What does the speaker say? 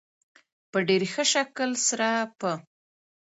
په ډېر ښه شکل سره په